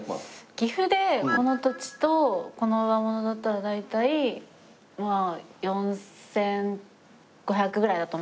岐阜でこの土地とこの上物だったら大体まあ４５００ぐらいだと思うんで。